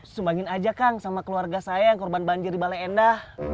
sumbangin aja kang sama keluarga saya yang korban banjir di balai endah